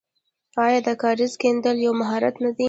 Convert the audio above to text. آیا د کاریز کیندل یو مهارت نه دی؟